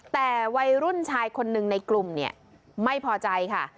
แต่วัยรุ่นชายคนหนึ่งในกลุ่มเนี่ยไม่พอใจค่ะ